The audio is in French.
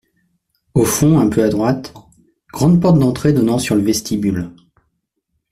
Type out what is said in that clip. Au fond un peu à droite, grande porte d’entrée donnant sur le vestibule.